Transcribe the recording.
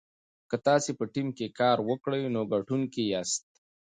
که تاسي په ټیم کې کار وکړئ نو ګټونکي یاست.